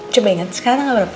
coba inget sekarang apa lupa